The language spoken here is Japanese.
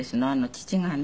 父がね